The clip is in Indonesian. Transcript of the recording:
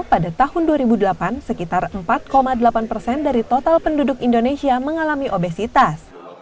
pada tahun dua ribu delapan sekitar empat delapan persen dari total penduduk indonesia mengalami obesitas